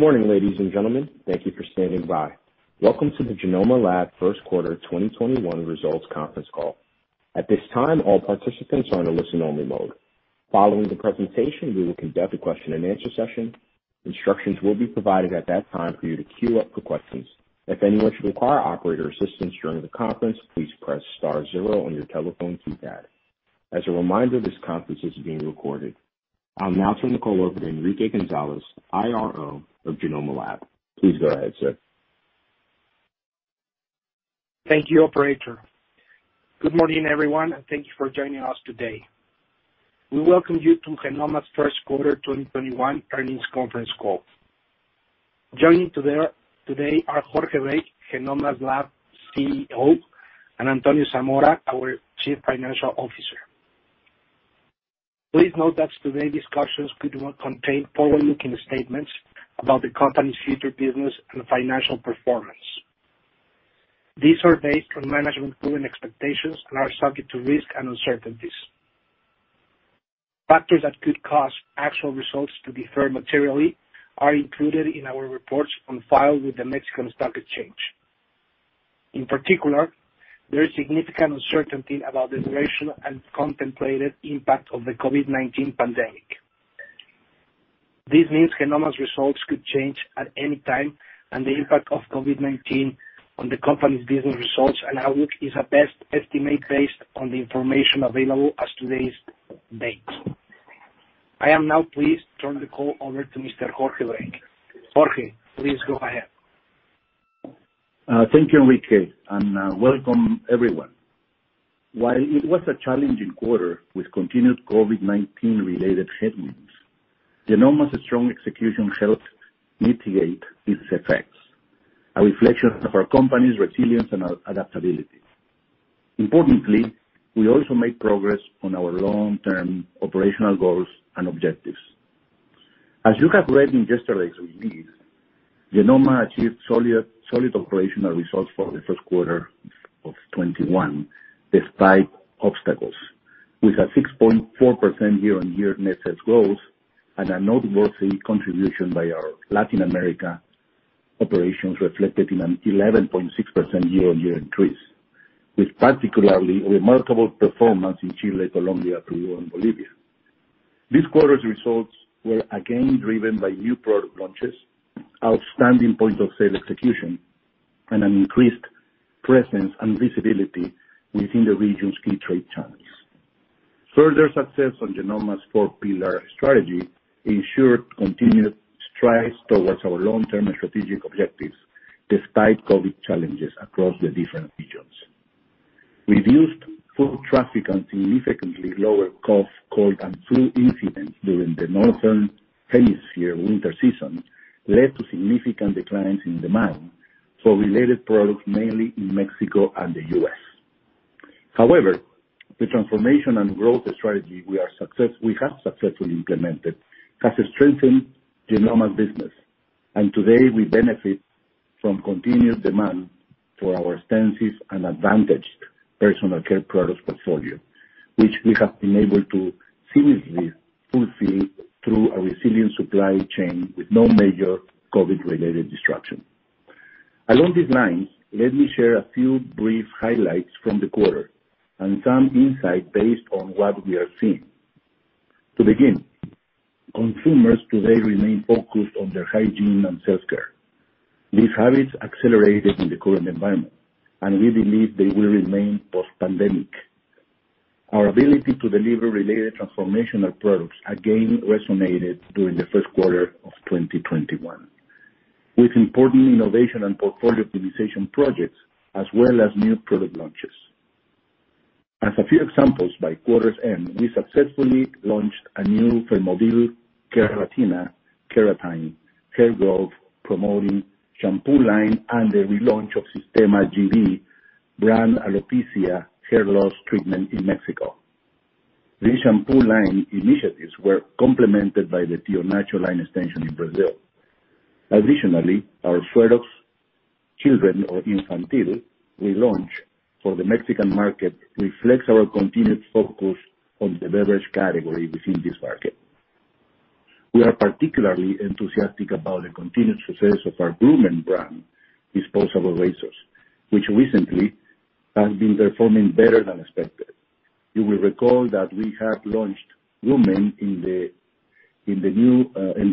Good morning, ladies and gentlemen. Thank you for standing by. Welcome to the Genomma Lab Q1 2021 Results Conference Call. At this time, all participants are in a listen-only mode. Following the presentation, we will conduct a question-and-answer session. Instructions will be provided at that time for you to queue up for questions. If anyone should require operator assistance during the conference, please press star zero on your telephone keypad. As a reminder, this conference is being recorded. I will now turn the call over to Enrique González, IRO of Genomma Lab. Please go ahead, sir. Thank you, operator. Good morning, everyone, and thank you for joining us today. We welcome you to Genomma's Q1 2021 Earnings Conference Call. Joining today are Jorge Brake, Genomma Lab's CEO, and Antonio Zamora, our Chief Financial Officer. Please note that today's discussions could well contain forward-looking statements about the company's future business and financial performance. These are based on management current expectations and are subject to risk and uncertainties. Factors that could cause actual results to differ materially are included in our reports on file with the Mexican Stock Exchange. In particular, there is significant uncertainty about the duration and contemplated impact of the COVID-19 pandemic. This means Genomma's results could change at any time, and the impact of COVID-19 on the company's business results and outlook is a best estimate based on the information available as of today's date. I will now please turn the call over to Mr. Jorge Brake. Jorge, please go ahead. Thank you, Enrique, and welcome, everyone. While it was a challenging quarter with continued COVID-19 related headwinds, Genomma's strong execution helped mitigate these effects, a reflection of our company's resilience and our adaptability. Importantly, we also made progress on our long-term operational goals and objectives. As you have read in yesterday's release, Genomma achieved solid operational results for the Q1 of 2021 despite obstacles, with a 6.4% year-over-year net sales growth and a noteworthy contribution by our Latin America operations reflected in an 11.6% year-over-year increase, with particularly remarkable performance in Chile, Colombia, Peru, and Bolivia. This quarter's results were again driven by new product launches, outstanding point-of-sale execution, and an increased presence and visibility within the region's key trade channels. Further success on Genomma's four-pillar strategy ensured continued strides towards our long-term strategic objectives despite COVID challenges across the different regions. Reduced foot traffic and significantly lower cough, cold, and flu incidents during the Northern Hemisphere winter season led to significant declines in demand for related products, mainly in Mexico and the U.S. The transformation and growth strategy we have successfully implemented has strengthened Genomma's business, and today we benefit from continued demand for our extensive and advantaged personal care products portfolio, which we have been able to seamlessly fulfill through our resilient supply chain with no major COVID-related disruption. Along these lines, let me share a few brief highlights from the quarter and some insight based on what we are seeing. To begin, consumers today remain focused on their hygiene and self-care. These habits accelerated in the current environment, and we believe they will remain post-pandemic. Our ability to deliver related transformational products again resonated during the Q1 of 2021, with important innovation and portfolio optimization projects, as well as new product launches. As a few examples, by quarter's end, we successfully launched a new Fermodyl Keratina, keratin hair growth-promoting shampoo line and the relaunch of Sistema GB brand alopecia hair loss treatment in Mexico. These shampoo line initiatives were complemented by the Tío Nacho line extension in Brazil. Additionally, our Suerox children or Infantil relaunch for the Mexican market reflects our continued focus on the beverage category within this market. We are particularly enthusiastic about the continued success of our Groomen brand disposable razors, which recently has been performing better than expected. You will recall that we have launched Groomen in the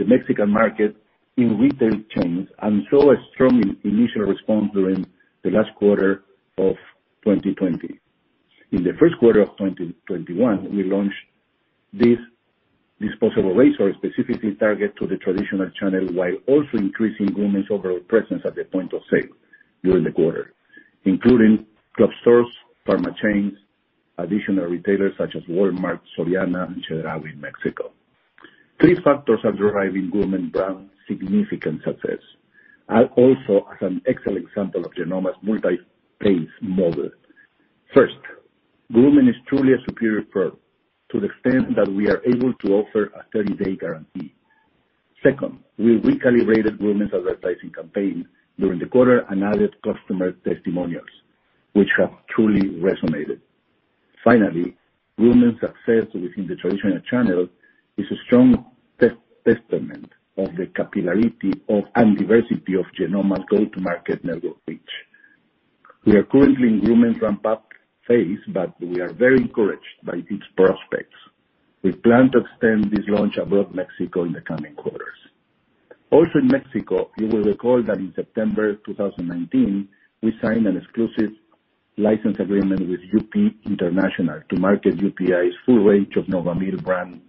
Mexican market in retail chains and saw a strong initial response during the last quarter of 2020. In the Q1 of 2021, we launched these disposable razors specifically targeted to the traditional channel while also increasing Groomen's overall presence at the point of sale during the quarter, including club stores, pharma chains, additional retailers such as Walmart, Soriana, and Chedraui in Mexico. Three factors are driving Groomen brand significant success, and also as an excellent example of Genomma's multi-phase model. First, Groomen is truly a superior product to the extent that we are able to offer a 30-day guarantee. Second, we recalibrated Groomen's advertising campaign during the quarter and added customer testimonials, which have truly resonated. Finally, Groomen's success within the traditional channel is a strong testament of the capillarity of and diversity of Genomma's go-to-market network reach. We are currently in Groomen's ramp-up phase, but we are very encouraged by its prospects. We plan to extend this launch above Mexico in the coming quarters. Also in Mexico, you will recall that in September 2019, we signed an exclusive license agreement with UP International to market UPI's full range of Novamil brand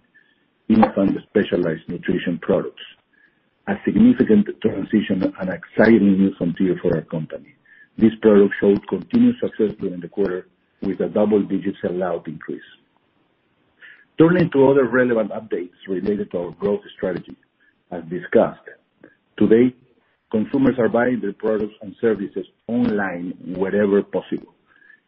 infant specialized nutrition products, a significant transition and exciting new frontier for our company. This product showed continued success during the quarter with a double-digit sell-out increase. Turning to other relevant updates related to our growth strategy, as discussed, today, consumers are buying their products and services online wherever possible,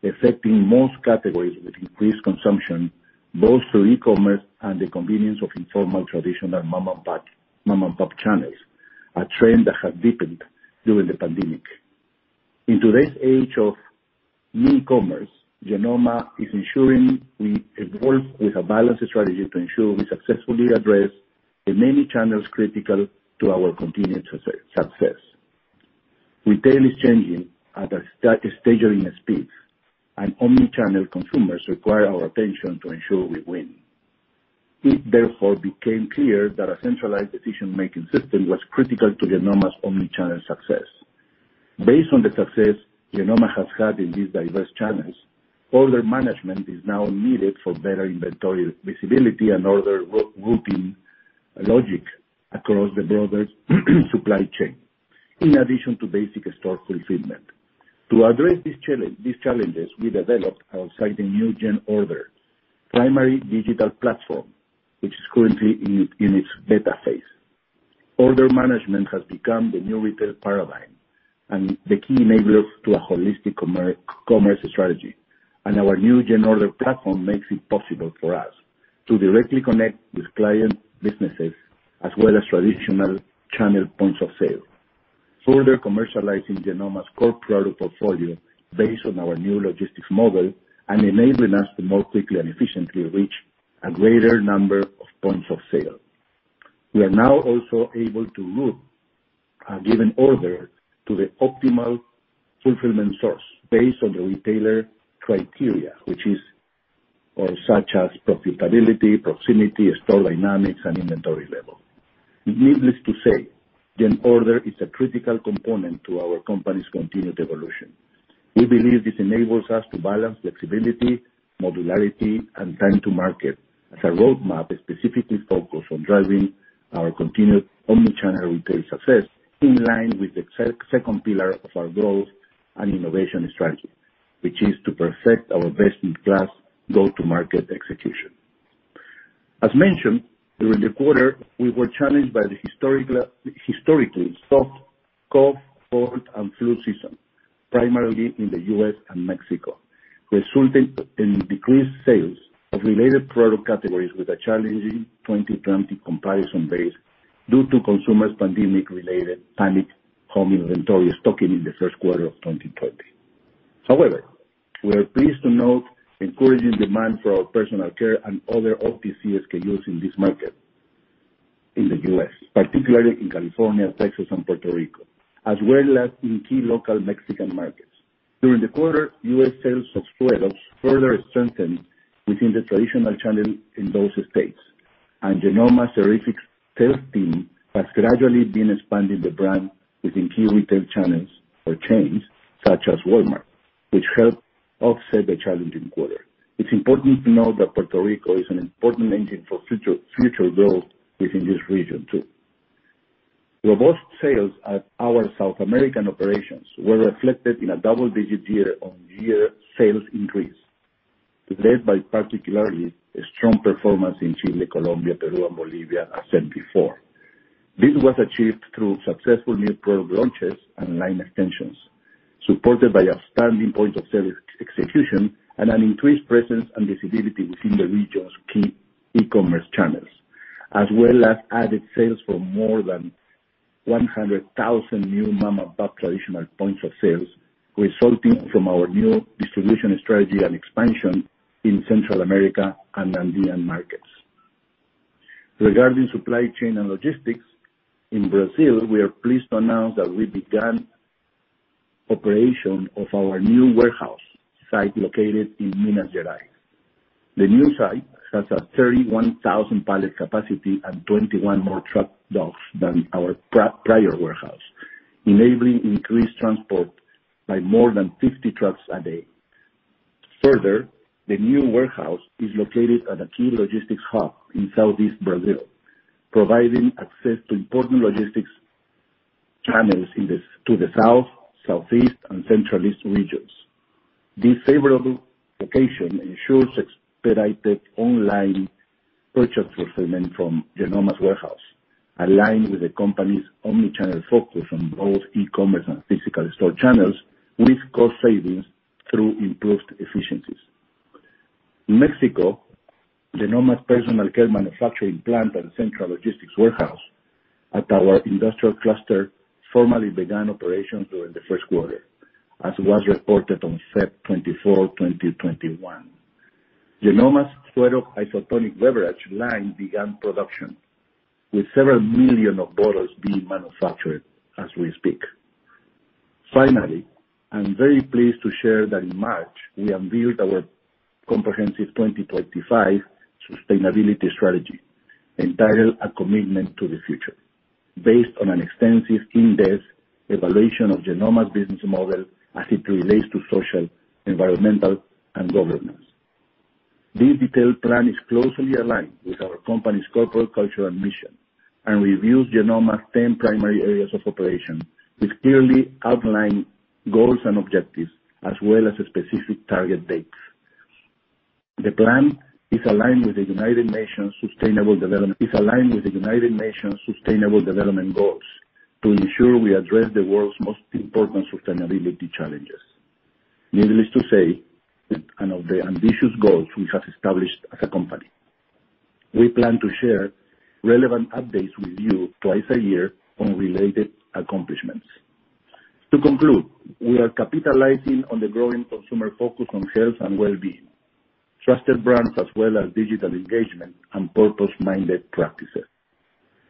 affecting most categories with increased consumption, both through e-commerce and the convenience of informal, traditional mom-and-pop channels, a trend that has deepened during the pandemic. In today's age of new commerce, Genomma is ensuring we evolve with a balanced strategy to ensure we successfully address the many channels critical to our continued success. Retail is changing at a staggering speed. Omni-channel consumers require our attention to ensure we win. It therefore became clear that a centralized decision-making system was critical to Genomma's omni-channel success. Based on the success Genomma has had in these diverse channels, order management is now needed for better inventory visibility and order routing logic across the broader supply chain, in addition to basic store fulfillment. To address these challenges, we developed our exciting new GenOrder, primary digital platform, which is currently in its beta phase. Order management has become the new retail paradigm and the key enabler to a holistic commerce strategy, and our new GenOrder platform makes it possible for us to directly connect with client businesses as well as traditional channel points of sale, further commercializing Genomma's core product portfolio based on our new logistics model and enabling us to more quickly and efficiently reach a greater number of points of sale. We are now also able to route a given order to the optimal fulfillment source based on the retailer criteria, such as profitability, proximity, store dynamics, and inventory level. Needless to say, GenOrder is a critical component to our company's continued evolution. We believe this enables us to balance flexibility, modularity, and time to market as a roadmap specifically focused on driving our continued omni-channel retail success in line with the second pillar of our growth and innovation strategy, which is to perfect our best-in-class go-to-market execution. As mentioned, during the quarter, we were challenged by the historically soft cough, cold, and flu season, primarily in the U.S. and Mexico, resulting in decreased sales of related product categories with a challenging 2020 comparison base due to consumers' pandemic-related panic home inventory stocking in the Q1 of 2020. However, we are pleased to note encouraging demand for our personal care and other OTC SKUs in this market in the U.S., particularly in California, Texas, and Puerto Rico, as well as in key local Mexican markets. During the quarter, U.S. sales of Suerox further strengthened within the traditional channel in those states, and Genomma's terrific sales team has gradually been expanding the brand within key retail channels or chains such as Walmart, which helped offset the challenging quarter. It's important to note that Puerto Rico is an important engine for future growth within this region, too. Robust sales at our South American operations were reflected in a double-digit year-on-year sales increase, led by particularly a strong performance in Chile, Colombia, Peru, and Bolivia, as said before. This was achieved through successful new product launches and line extensions, supported by outstanding point-of-service execution and an increased presence and visibility within the region's key e-commerce channels, as well as added sales for more than 100,000 new mom-and-pop traditional points of sales resulting from our new distribution strategy and expansion in Central America and Andean markets. Regarding supply chain and logistics, in Brazil, we are pleased to announce that we began operation of our new warehouse site located in Minas Gerais. The new site has a 31,000 pallet capacity and 21 more truck docks than our prior warehouse, enabling increased transport by more than 50 trucks a day. The new warehouse is located at a key logistics hub in Southeast Brazil, providing access to important logistics channels to the south, southeast, and central east regions. This favorable location ensures expedited online purchase fulfillment from Genomma's warehouse, aligned with the company's omni-channel focus on both e-commerce and physical store channels with cost savings through improved efficiencies. In Mexico, Genomma personal care manufacturing plant and central logistics warehouse at our industrial cluster formally began operations during the Q1, as was reported on February 24, 2021. Genomma's Suerox-isotonic beverage line began production, with several million of bottles being manufactured as we speak. I'm very pleased to share that in March, we unveiled our comprehensive 2025 sustainability strategy, entitled "A Commitment to the Future," based on an extensive in-depth evaluation of Genomma's business model as it relates to social, environmental, and governance. This detailed plan is closely aligned with our company's corporate culture and mission, reviews Genomma's 10 primary areas of operation, with clearly outlined goals and objectives, as well as specific target dates. The plan is aligned with the United Nations Sustainable Development Goals to ensure we address the world's most important sustainability challenges. Needless to say, I know the ambitious goals we have established as a company. We plan to share relevant updates with you twice a year on related accomplishments. To conclude, we are capitalizing on the growing consumer focus on health and wellbeing, trusted brands, as well as digital engagement and purpose-minded practices.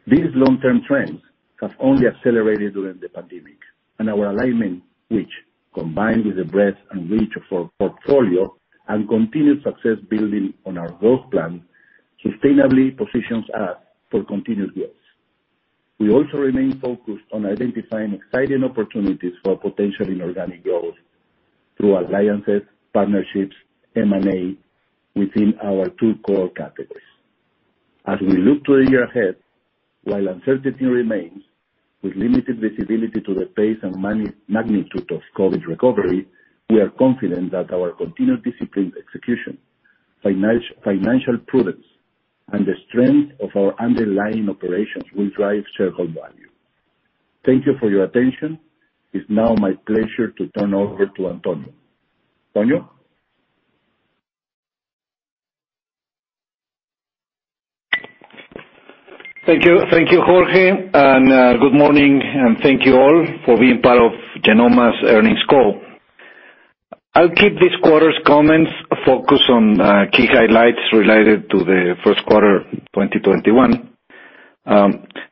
These long-term trends have only accelerated during the pandemic. Our alignment, which, combined with the breadth and reach of our portfolio and continued success building on our growth plan, sustainably positions us for continued growth. We also remain focused on identifying exciting opportunities for potential inorganic growth through alliances, partnerships, M&A within our two core categories. As we look to a year ahead, while uncertainty remains, with limited visibility to the pace and magnitude of COVID recovery, we are confident that our continued disciplined execution, financial prudence, and the strength of our underlying operations will drive shareholder value. Thank you for your attention. It's now my pleasure to turn over to Antonio. Antonio? Thank you, Jorge, good morning, and thank you all for being part of Genomma's earnings call. I'll keep this quarter's comments focused on key highlights related to the Q1 of 2021.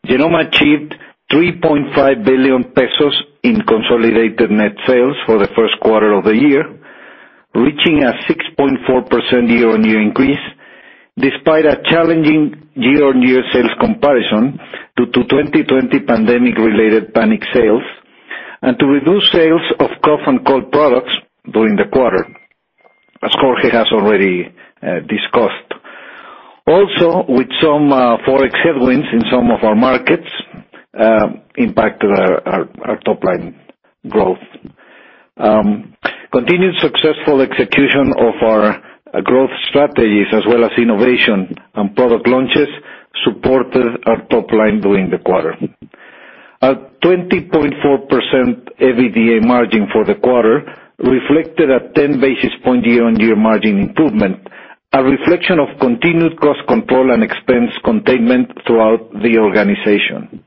Genomma achieved 3.5 billion pesos in consolidated net sales for the Q1 of the year, reaching a 6.4% year-on-year increase, despite a challenging year-on-year sales comparison due to 2020 pandemic-related panic sales and to reduced sales of cough and cold products during the quarter, as Jorge has already discussed. With some Forex headwinds in some of our markets impacted our top line growth. Continued successful execution of our growth strategies as well as innovation and product launches supported our top line during the quarter. A 20.4% EBITDA margin for the quarter reflected a 10 basis point year-on-year margin improvement, a reflection of continued cost control and expense containment throughout the organization.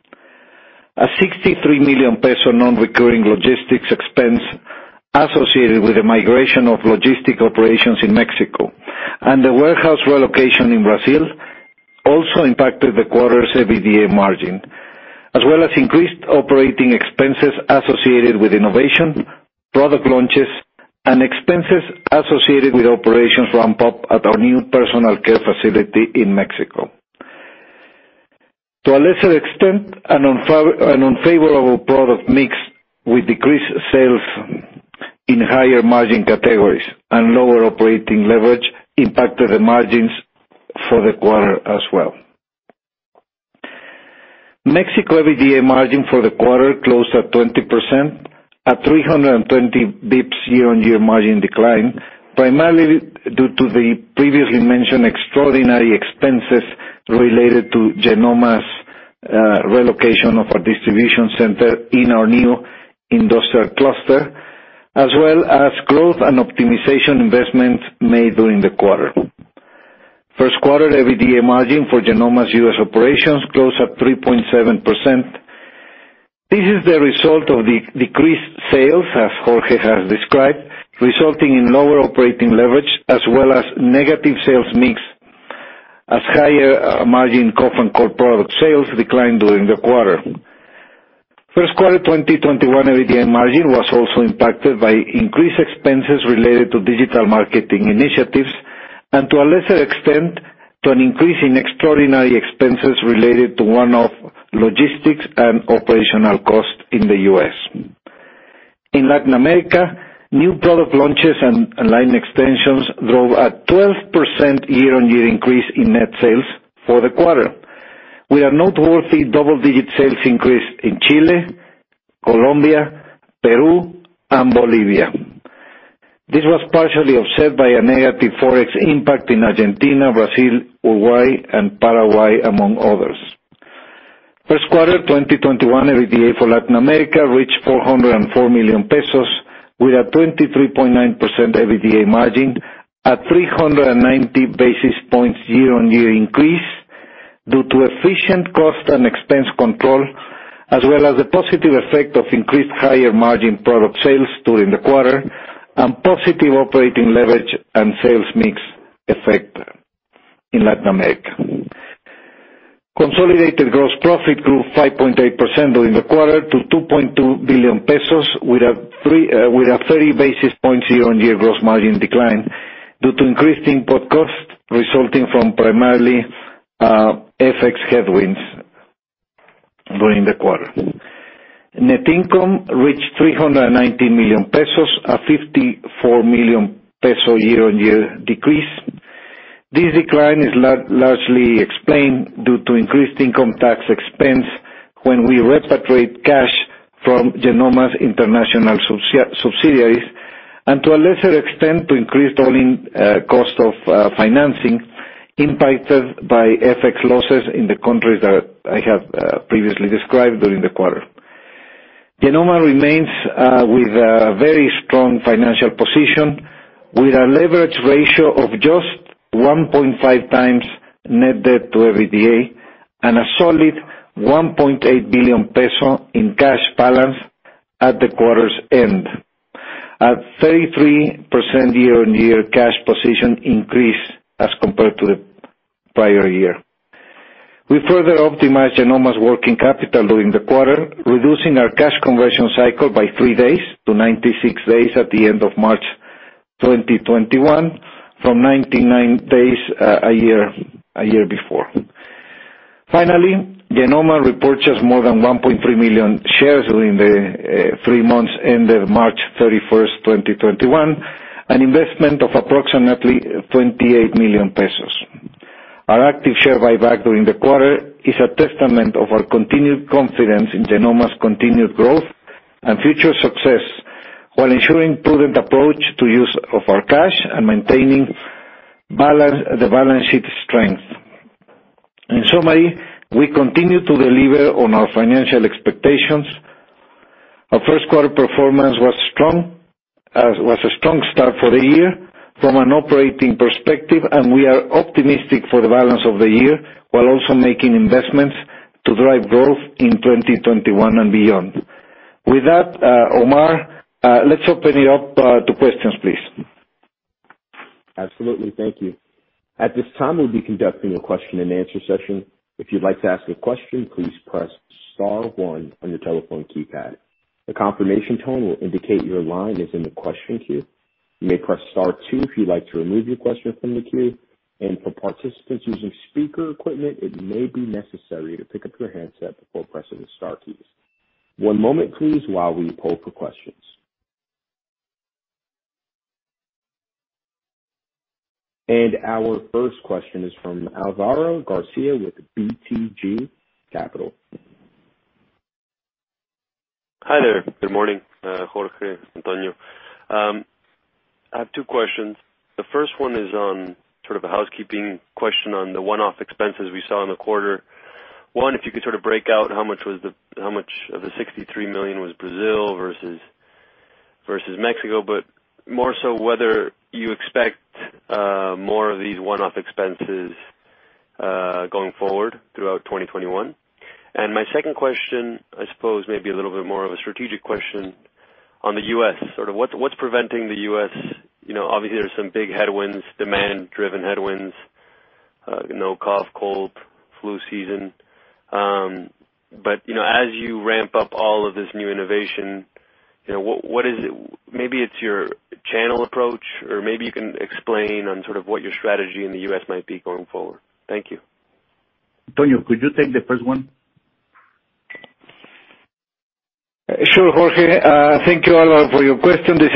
A 63 million peso non-recurring logistics expense associated with the migration of logistic operations in Mexico and the warehouse relocation in Brazil also impacted the quarter's EBITDA margin, as well as increased operating expenses associated with innovation, product launches, and expenses associated with operations ramp-up at our new personal care facility in Mexico. To a lesser extent, an unfavorable product mix with decreased sales in higher margin categories and lower operating leverage impacted the margins for the quarter as well. Mexico EBITDA margin for the quarter closed at 20%, a 320 basis points year-over-year margin decline, primarily due to the previously mentioned extraordinary expenses related to Genomma's relocation of our distribution center in our new industrial cluster, as well as growth and optimization investments made during the quarter. Q1 EBITDA margin for Genomma's U.S. operations closed at 3.7%. This is the result of the decreased sales, as Jorge has described, resulting in lower operating leverage as well as negative sales mix as higher margin cough and cold product sales declined during the quarter. Q1 2021 EBITDA margin was also impacted by increased expenses related to digital marketing initiatives, and to a lesser extent, to an increase in extraordinary expenses related to one-off logistics and operational costs in the U.S. In Latin America, new product launches and line extensions drove a 12% year-on-year increase in net sales for the quarter, with a noteworthy double-digit sales increase in Chile, Colombia, Peru, and Bolivia. This was partially offset by a negative Forex impact in Argentina, Brazil, Uruguay, and Paraguay, among others. Q1 2021 EBITDA for Latin America reached 404 million pesos with a 23.9% EBITDA margin, a 390 basis points year-on-year increase due to efficient cost and expense control, as well as the positive effect of increased higher margin product sales during the quarter, and positive operating leverage and sales mix effect in Latin America. Consolidated gross profit grew 5.8% during the quarter to 2.2 billion pesos with a 30 basis points year-on-year gross margin decline due to increased input costs resulting from primarily FX headwinds during the quarter. Net income reached 390 million pesos, a 54 million peso year-on-year decrease. This decline is largely explained due to increased income tax expense when we repatriate cash from Genomma's international subsidiaries, and to a lesser extent, to increased all-in cost of financing impacted by FX losses in the countries that I have previously described during the quarter. Genomma remains with a very strong financial position with a leverage ratio of just 1.5x net debt to EBITDA and a solid 1.8 billion peso in cash balance at the quarter's end. At 33% year-on-year cash position increase as compared to the prior year. We further optimized Genomma's working capital during the quarter, reducing our cash conversion cycle by three days to 96 days at the end of March 2021, from 99 days a year before. Finally, Genomma repurchased more than 1.3 million shares during the three months ended March 31st, 2021, an investment of approximately 28 million pesos. Our active share buyback during the quarter is a testament of our continued confidence in Genomma's continued growth and future success, while ensuring prudent approach to use of our cash and maintaining the balance sheet strength. In summary, we continue to deliver on our financial expectations. Our Q1 performance was a strong start for the year from an operating perspective, and we are optimistic for the balance of the year, while also making investments to drive growth in 2021 and beyond. With that, Omar, let's open it up to questions, please. Absolutely. Thank you. At this time, we'll be conducting a question-and-answer session. If you'd like to ask a question, please press star one on your telephone keypad. A confirmation tone will indicate your line is in the question queue. You may press star two if you'd like to remove your question from the queue. For participants using speaker equipment, it may be necessary to pick up your handset before pressing the star keys. One moment please while we poll for questions. Our first question is from Alvaro Garcia with BTG Pactual. Hi there. Good morning, Jorge, Antonio. I have two questions. The first one is on sort of a housekeeping question on the one-off expenses we saw in the quarter. One, if you could sort of break out how much of the 63 million was Brazil versus Mexico, but more so whether you expect more of these one-off expenses going forward throughout 2021. My second question, I suppose maybe a little bit more of a strategic question on the U.S. Whats preventing the U.S., obviously there's some big headwinds, demand-driven headwinds, cough, cold, flu season. As you ramp up all of this new innovation, maybe it's your channel approach, or maybe you can explain on sort of what your strategy in the U.S. might be going forward. Thank you. Antonio, could you take the first one? Sure, Jorge. Thank you, Alvaro, for your question. This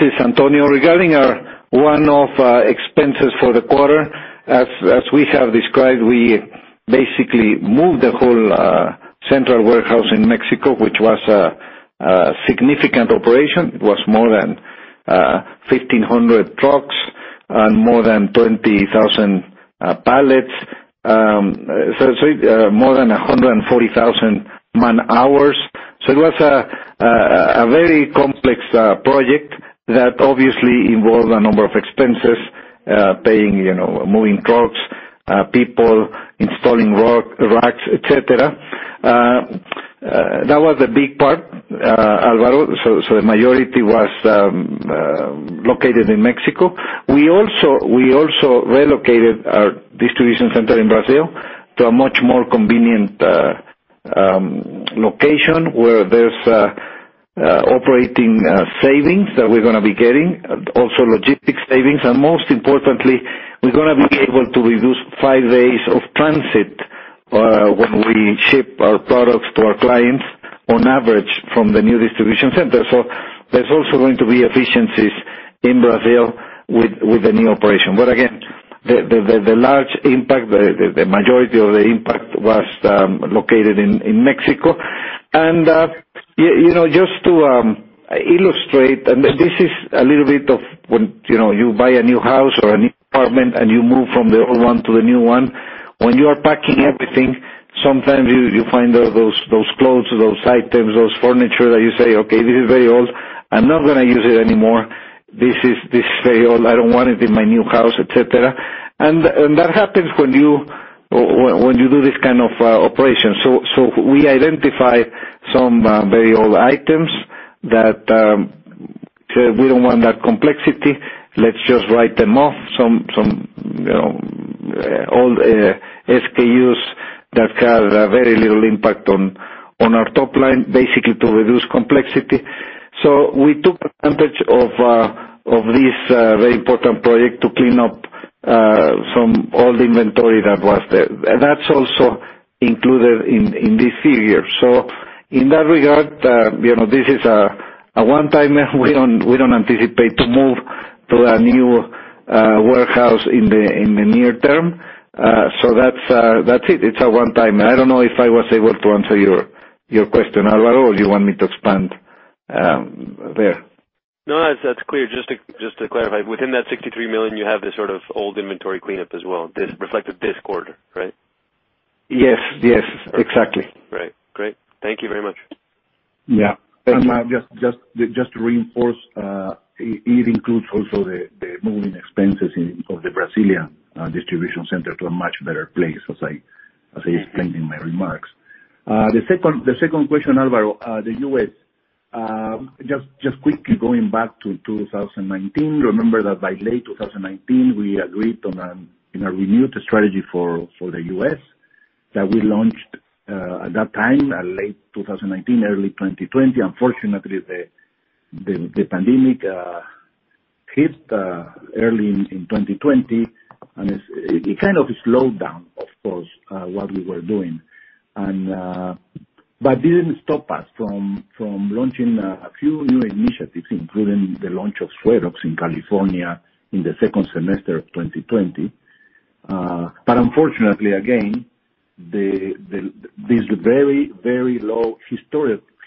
is Antonio. Regarding our one-off expenses for the quarter, as we have described, we basically moved the whole central warehouse in Mexico, which was a significant operation. It was more than 1,500 trucks and more than 20,000 pallets. Sorry, more than 140,000 man-hours. It was a very complex project that obviously involved a number of expenses, paying, moving trucks, people, installing racks, et cetera. That was the big part, Alvaro. The majority was located in Mexico. We also relocated our distribution center in Brazil to a much more convenient location where there's operating savings that we're gonna be getting, also logistics savings, and most importantly, we're gonna be able to reduce five days of transit when we ship our products to our clients on average from the new distribution center. There's also going to be efficiencies in Brazil with the new operation. Again, the large impact, the majority of the impact was located in Mexico. Just to illustrate, this is a little bit of when you buy a new house or a new apartment and you move from the old one to the new one. When you are packing everything, sometimes you find those clothes, those items, those furniture that you say, "Okay, this is very old. I'm not going to use it anymore. This is very old. I don't want it in my new house," et cetera. That happens when you do this kind of operation. We identify some very old items that we don't want that complexity. Let's just write them off. Some old SKUs that have very little impact on our top line, basically to reduce complexity. We took advantage of this very important project to clean up some old inventory that was there, and that's also included in this figure. In that regard, this is a one-time. We don't anticipate to move to a new warehouse in the near term. That's it. It's a one-time. I don't know if I was able to answer your question, Alvaro, or you want me to expand there? No, that's clear. Just to clarify, within that 63 million, you have this sort of old inventory cleanup as well, reflected this quarter, right? Yes, exactly. Right. Great. Thank you very much. Yeah. Just to reinforce, it includes also the moving expenses of the Brazilian distribution center to a much better place, as I explained in my remarks. The second question, Alvaro, the U.S. Just quickly going back to 2019, remember that by late 2019, we agreed on a renewed strategy for the U.S. that we launched at that time, late 2019, early 2020. Unfortunately, the pandemic hit early in 2020, and it kind of slowed down, of course, what we were doing. Didn't stop us from launching a few new initiatives, including the launch of Suerox in California in the second semester of 2020. Unfortunately, again, this very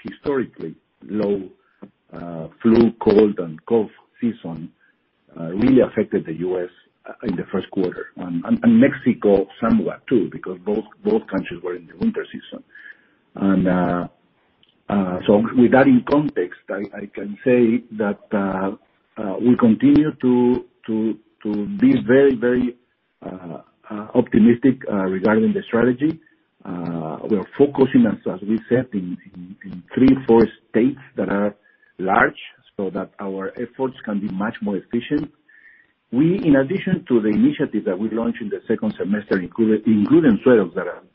historically low flu, cold, and COVID season really affected the U.S. in the Q1, and Mexico somewhat too, because both countries were in the winter season. With that in context, I can say that we continue to be very optimistic regarding the strategy. We are focusing, as we said, in three, four states that are large so that our efforts can be much more efficient. We, in addition to the initiative that we launched in the second semester, including Suerox,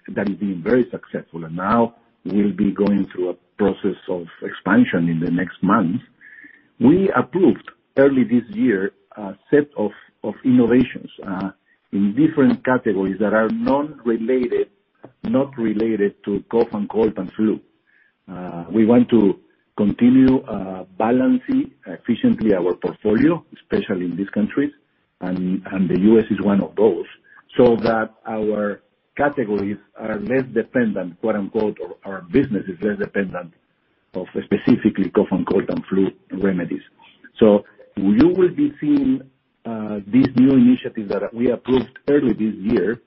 that is being very successful, and now will be going through a process of expansion in the next months. We approved early this year a set of innovations in different categories that are not related to cough and cold and flu. We want to continue balancing efficiently our portfolio, especially in these countries, and the U.S. is one of those, so that our categories are less dependent, quote unquote, or our business is less dependent of specifically cough and cold and flu remedies. You will be seeing these new initiatives that we approved early this year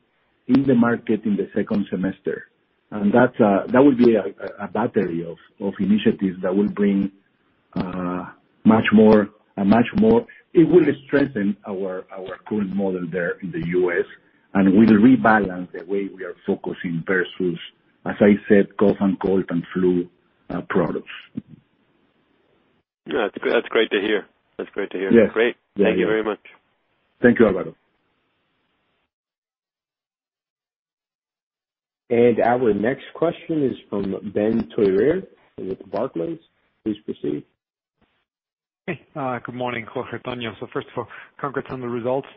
in the market in the second semester. That will be a battery of initiatives that will bring much more. It will strengthen our current model there in the U.S., and will rebalance the way we are focusing versus, as I said, cough and cold and flu products. Yeah, that's great to hear. Yeah. Great. Thank you very much. Thank you, Alvaro. Our next question is from Ben Theurer with Barclays. Please proceed. Hey. Good morning, Jorge, Antonio. First of all, congrats on the results.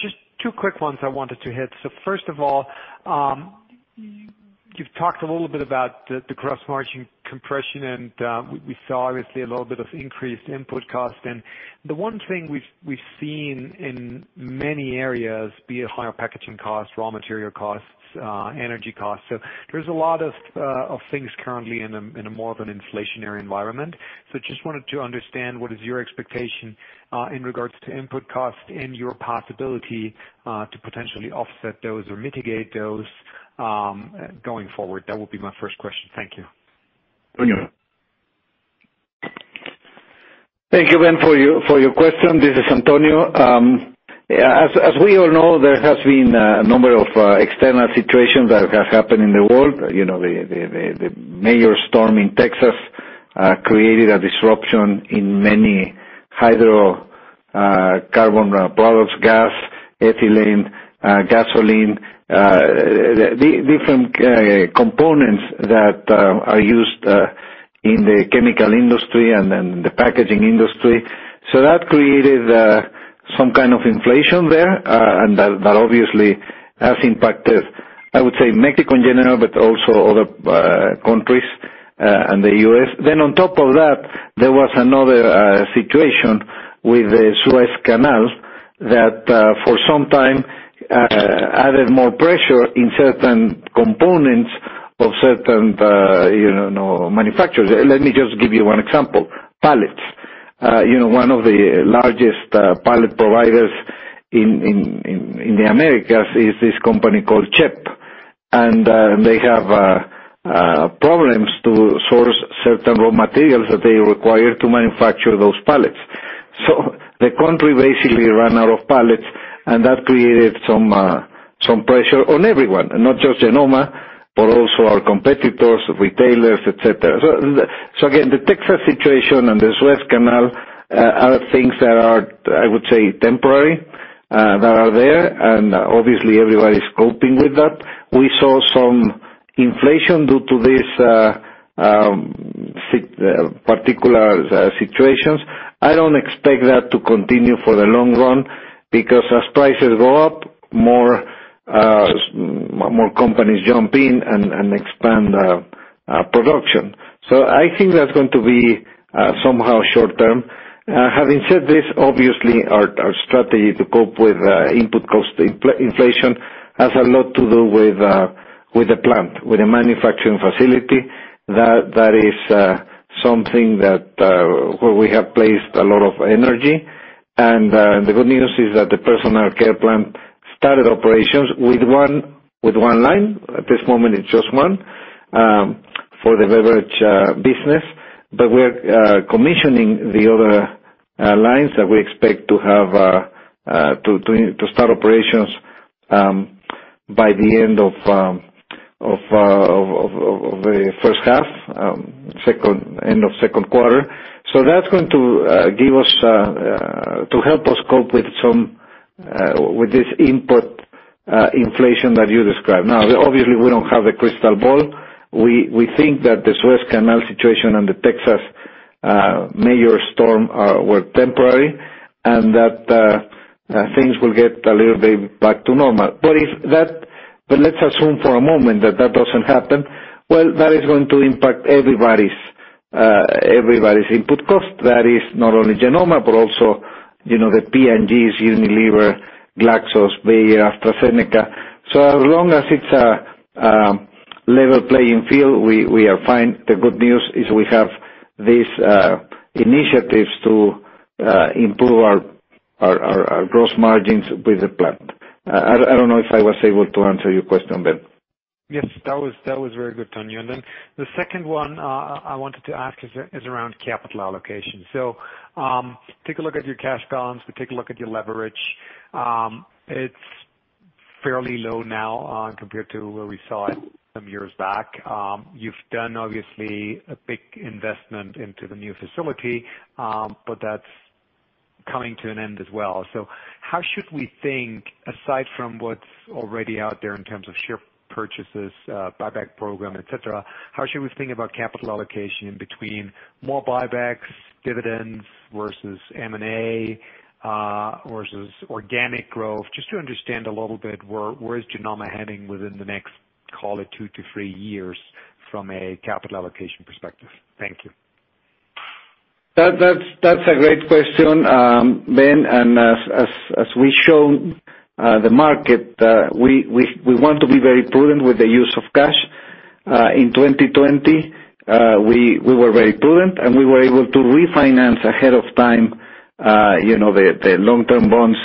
Just two quick ones I wanted to hit. First of all, you've talked a little bit about the gross margin compression, and we saw obviously a little bit of increased input cost. The one thing we've seen in many areas via higher packaging cost, raw material costs, energy costs. There's a lot of things currently in a more of an inflationary environment. Just wanted to understand, what is your expectation in regards to input cost and your possibility to potentially offset those or mitigate those going forward? That would be my first question. Thank you. Antonio. Thank you, Ben, for your question. This is Antonio. As we all know, there has been a number of external situations that have happened in the world. The major storm in Texas created a disruption in many hydrocarbon products, gas, ethylene, gasoline, different components that are used in the chemical industry and in the packaging industry. That created some kind of inflation there, and that obviously has impacted, I would say, Mexico in general, but also other countries and the U.S. On top of that, there was another situation with the Suez Canal. That for some time, added more pressure in certain components of certain manufacturers. Let me just give you one example. Pallets. One of the largest pallet providers in the Americas is this company called CHEP. They have problems to source certain raw materials that they require to manufacture those pallets. The country basically ran out of pallets, and that created some pressure on everyone, not just Genomma, but also our competitors, retailers, et cetera. Again, the Texas situation and the Suez Canal are things that are, I would say, temporary, that are there, and obviously everybody's coping with that. We saw some inflation due to these particular situations. I don't expect that to continue for the long run, because as prices go up, more companies jump in and expand production. I think that's going to be somehow short-term. Having said this, obviously our strategy to cope with input cost inflation has a lot to do with the plant, with the manufacturing facility. That is something where we have placed a lot of energy. The good news is that the personal care plant started operations with one line. We're commissioning the other lines that we expect to start operations by the end of the first half, end of Q2. That's going to help us cope with this input inflation that you described. Obviously, we don't have a crystal ball. We think that the Suez Canal situation and the Texas major storm were temporary, and that things will get a little bit back to normal. Let's assume for a moment that that doesn't happen. That is going to impact everybody's input cost. That is not only Genomma, but also the P&G, Unilever, GSK, Bayer, AstraZeneca. As long as it's a level playing field, we are fine. The good news is we have these initiatives to improve our gross margins with the plant. I don't know if I was able to answer your question, Ben. Yes, that was very good, Antonio. The second one I wanted to ask is around capital allocation. Take a look at your cash balance, but take a look at your leverage. It's fairly low now compared to where we saw it some years back. You've done, obviously, a big investment into the new facility, but that's coming to an end as well. How should we think, aside from what's already out there in terms of share purchases, buyback program, et cetera, how should we think about capital allocation between more buybacks, dividends, versus M&A, versus organic growth? Just to understand a little bit where is Genomma heading within the next, call it two to three years from a capital allocation perspective. Thank you. That's a great question, Ben and as we shown the market, we want to be very prudent with the use of cash. In 2020, we were very prudent, and we were able to refinance ahead of time the long-term bonds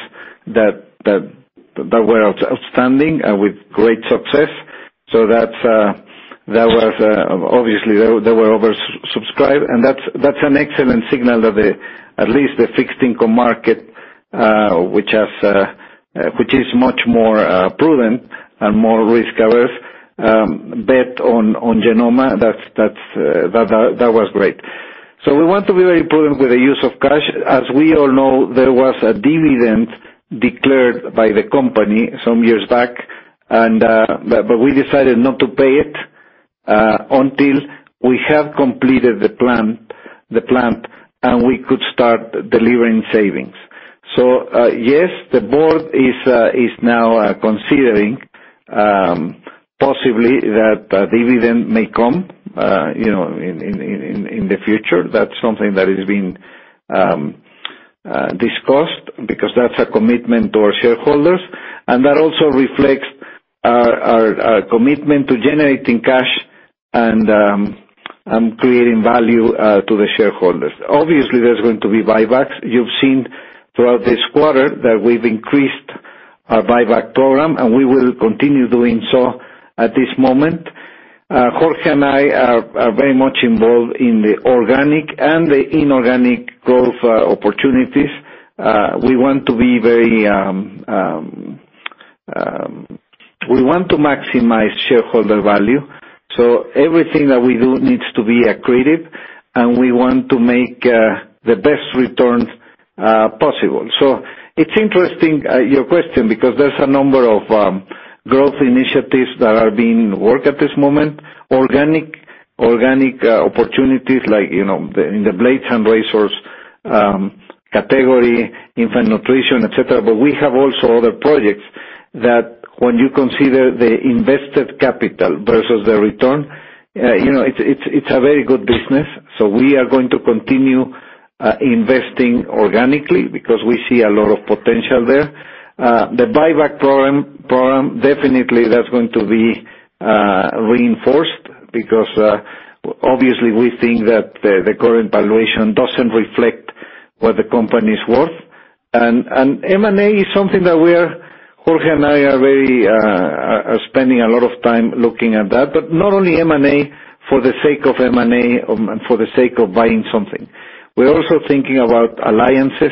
that were outstanding and with great success. Obviously, they were oversubscribed, and that's an excellent signal that at least the fixed income market, which is much more prudent and more risk-averse bet on Genomma. That was great. We want to be very prudent with the use of cash. As we all know, there was a dividend declared by the company some years back. We decided not to pay it until we have completed the plant, and we could start delivering savings. Yes, the board is now considering possibly that dividend may come in the future. That's something that is being discussed because that's a commitment to our shareholders. That also reflects our commitment to generating cash and creating value to the shareholders. Obviously, there's going to be buybacks. You've seen throughout this quarter that we've increased our buyback program, and we will continue doing so at this moment. Jorge and I are very much involved in the organic and the inorganic growth opportunities. We want to maximize shareholder value. Everything that we do needs to be accretive, and we want to make the best returns possible. It's interesting your question, because there's a number of growth initiatives that are being worked at this moment. Organic opportunities like in the blades and razors category, infant nutrition, et cetera, but we have also other projects that when you consider the invested capital versus the return, it's a very good business. We are going to continue investing organically because we see a lot of potential there. The buyback program, definitely that's going to be reinforced because, obviously, we think that the current valuation doesn't reflect what the company is worth. M&A is something that Jorge and I are spending a lot of time looking at that, but not only M&A for the sake of M&A and for the sake of buying something. We're also thinking about alliances,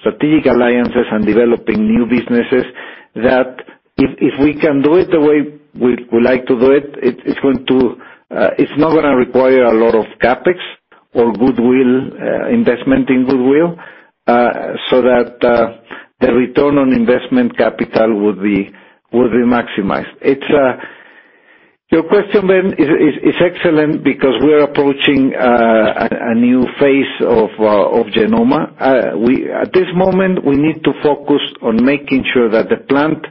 strategic alliances, and developing new businesses that if we can do it the way we like to do it's not going to require a lot of CapEx or investment in goodwill, so that the return on investment capital would be maximized. Your question is excellent because we are approaching a new phase of Genomma. At this moment, we need to focus on making sure that the plant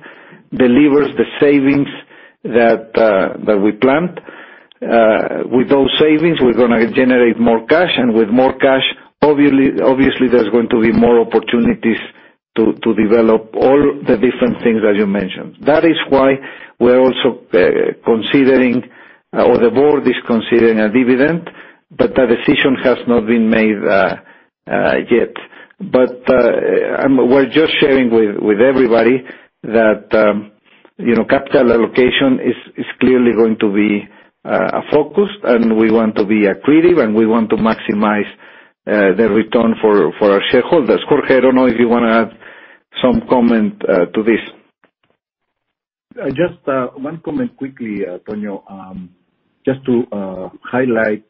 delivers the savings that we planned. With those savings, we're going to generate more cash, and with more cash, obviously there's going to be more opportunities to develop all the different things that you mentioned. That is why the board is considering a dividend, but that decision has not been made yet. We're just sharing with everybody that capital allocation is clearly going to be a focus, and we want to be accretive, and we want to maximize the return for our shareholders. Jorge, I don't know if you want to add some comment to this. Just one comment quickly, Antonio, just to highlight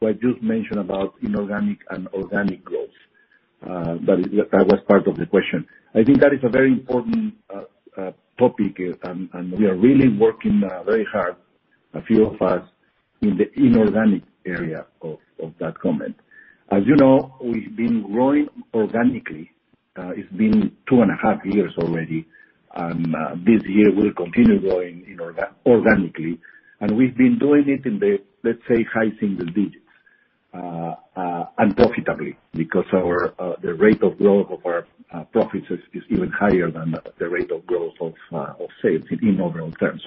what you've mentioned about inorganic and organic growth. That was part of the question. I think that is a very important topic, and we are really working very hard, a few of us, in the inorganic area of that comment. As you know, we've been growing organically. It's been two and a half years already, and this year we'll continue growing organically. We've been doing it in the, let's say, high single digits, and profitably, because the rate of growth of our profits is even higher than the rate of growth of sales in overall terms.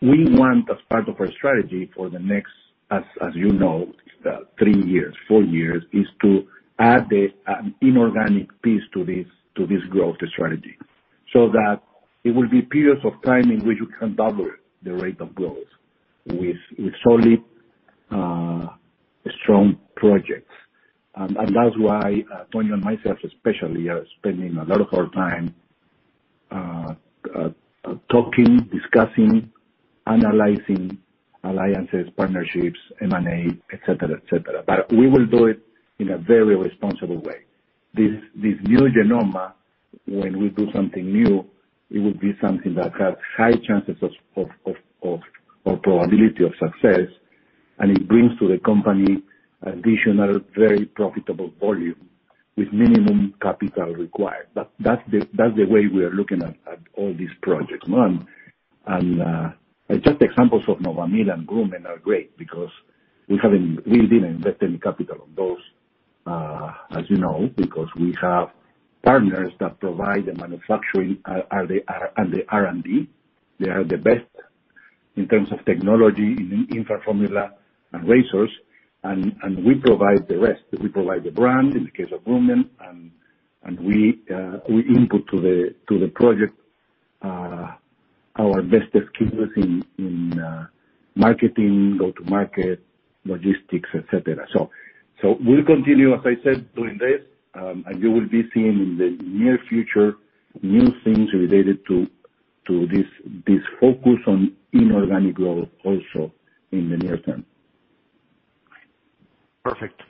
We want as part of our strategy for the next, as you know, three years, four years, is to add the inorganic piece to this growth strategy so that it will be periods of time in which we can double the rate of growth with solid, strong projects. That's why Antonio and myself especially are spending a lot of our time talking, discussing, analyzing alliances, partnerships, M&A, et cetera. We will do it in a very responsible way. This new Genomma, when we do something new, it will be something that has high chances or probability of success, and it brings to the company additional, very profitable volume with minimum capital required. That's the way we are looking at all these projects. Just examples of Novamil and Groomen are great because we haven't really been investing capital on those, as you know, because we have partners that provide the manufacturing and the R&D. They are the best in terms of technology, infant formula, and razors, and we provide the rest. We provide the brand in the case of Groomen, and we input to the project our best skills in marketing, go to market, logistics, et cetera. We'll continue, as I said, doing this, and you will be seeing in the near future, new things related to this focus on inorganic growth also in the near term. Perfect.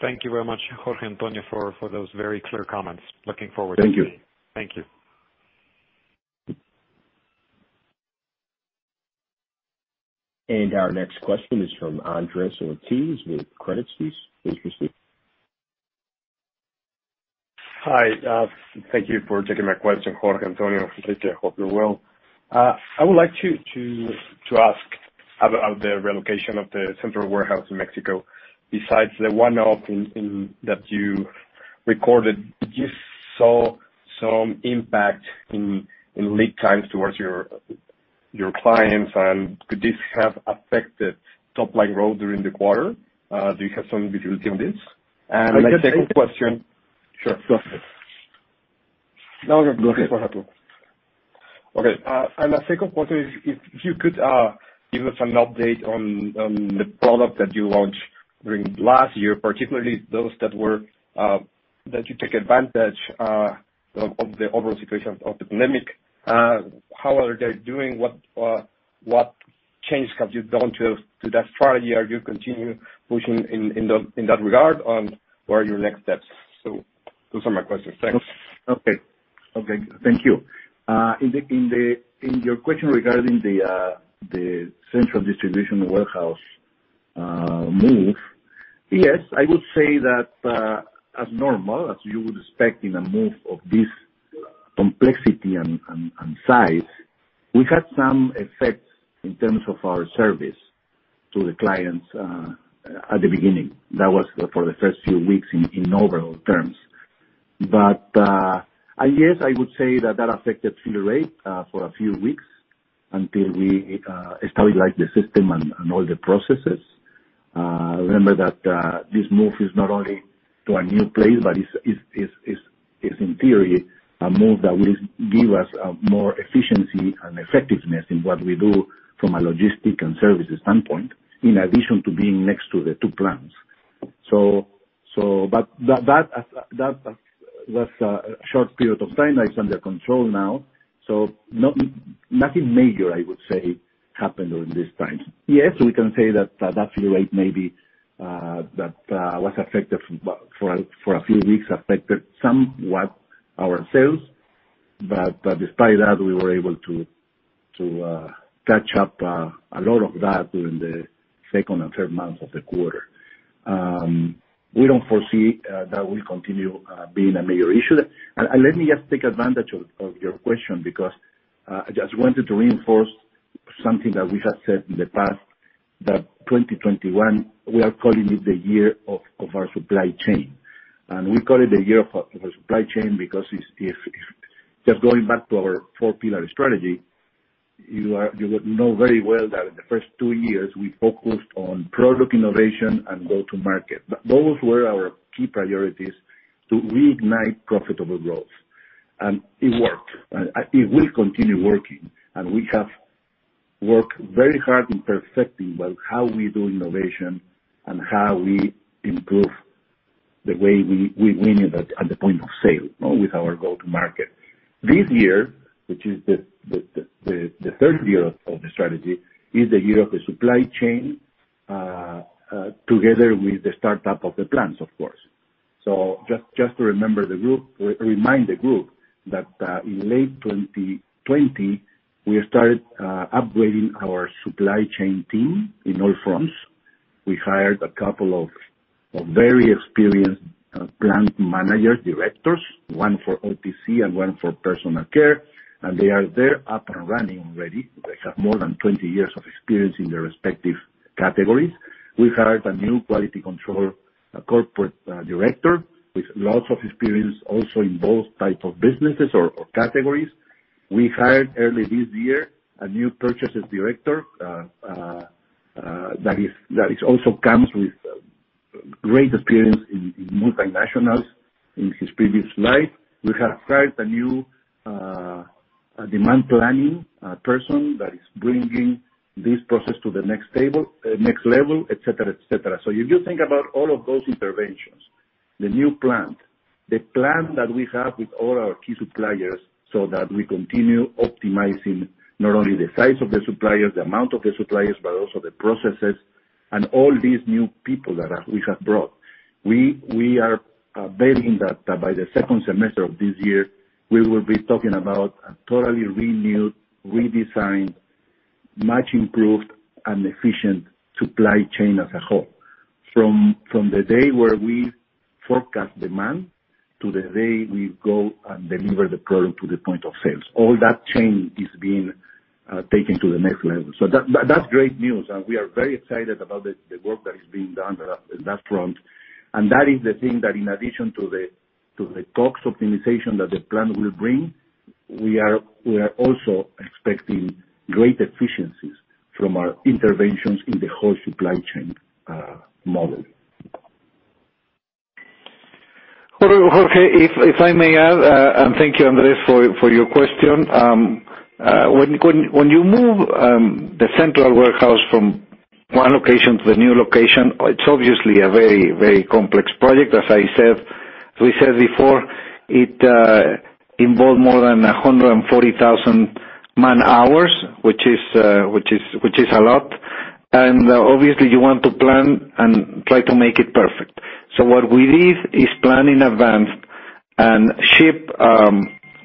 Thank you very much, Jorge and Antonio, for those very clear comments. Looking forward to hearing. Thank you. Thank you. Our next question is from Andrés Ortiz with Credit Suisse. Please proceed. Hi. Thank you for taking my question, Jorge, Antonio. Hope you're well. I would like to ask about the relocation of the central warehouse in Mexico. Besides the one-off that you recorded, you saw some impact in lead times towards your clients, and could this have affected top-line growth during the quarter? Do you have some visibility on this? My second question- Sure. Go ahead. No, go ahead, Andrés. Okay. The second question is if you could give us an update on the product that you launched during last year, particularly those that you take advantage of the overall situation of the pandemic. How are they doing? What changes have you done to that strategy? Are you continue pushing in that regard, and what are your next steps? Those are my questions. Thanks. Okay. Thank you. In your question regarding the central distribution warehouse move. Yes, I would say that as normal, as you would expect in a move of this complexity and size, we had some effects in terms of our service to the clients at the beginning. That was for the first few weeks in overall terms. Yes, I would say that affected fill rate for a few weeks until we stabilized the system and all the processes. Remember that this move is not only to a new place, but is in theory, a move that will give us more efficiency and effectiveness in what we do from a logistic and service standpoint, in addition to being next to the two plants. That was a short period of time. It's under control now. Nothing major, I would say, happened during this time. Yes, we can say that fill rate, maybe that was affected for a few weeks, affected somewhat our sales. Despite that, we were able to catch up a lot of that during the second and third months of the quarter. We don't foresee that will continue being a major issue. Let me just take advantage of your question, because I just wanted to reinforce something that we have said in the past, that 2021, we are calling it the year of our supply chain. We call it the year of our supply chain because just going back to our four-pillar strategy, you would know very well that in the first two years, we focused on product innovation and go-to-market. Those were our key priorities to reignite profitable growth. It worked, and it will continue working, and we have worked very hard in perfecting both how we do innovation and how we improve the way we win at the point of sale with our go-to-market. This year, which is the third year of the strategy, is the year of the supply chain, together with the startup of the plants, of course. Just to remind the group that in late 2020, we started upgrading our supply chain team in all fronts. We hired a couple of very experienced plant manager directors, one for OTC and one for personal care, and they are there up and running already. They have more than 20 years of experience in their respective categories. We hired a new quality control corporate director with lots of experience also in both types of businesses or categories. We hired, early this year, a new purchases director that also comes with great experience in multinationals in his previous life. We have hired a new demand planning person that is bringing this process to the next level, et cetera. If you think about all of those interventions, the new plant, the plan that we have with all our key suppliers so that we continue optimizing not only the size of the suppliers, the amount of the suppliers, but also the processes and all these new people that we have brought. We are betting that by the second semester of this year, we will be talking about a totally renewed, redesigned, much improved and efficient supply chain as a whole. From the day where we forecast demand to the day we go and deliver the product to the point of sales, all that chain is being taken to the next level. That's great news, and we are very excited about the work that is being done in that front. That is the thing that in addition to the COGS optimization that the plan will bring, we are also expecting great efficiencies from our interventions in the whole supply chain model. Jorge, if I may add, and thank you, Andrés, for your question. When you move the central warehouse from one location to the new location, it's obviously a very complex project. As we said before, it involved more than 140,000 man-hours, which is a lot. Obviously, you want to plan and try to make it perfect. What we did is plan in advance and ship